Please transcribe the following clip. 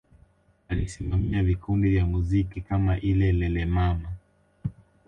Alisimamia vikundi vya muziki kama ile Lelemama